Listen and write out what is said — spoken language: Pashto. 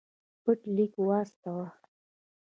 پټ لیک واستاوه.